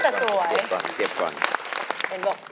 เก็บควรจึงจะสวยนะครับเก็บก่อน